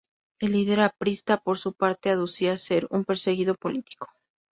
El líder aprista, por su parte, aducía ser un perseguido político.